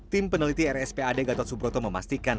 tim peneliti rspad gatot subroto memastikan